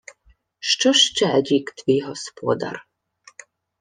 — Що ще рік твій господар?